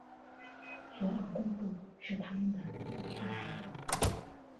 索朗贡布是他们的第一个孩子。